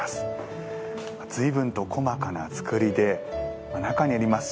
ずいぶんと細かな作りで中にあります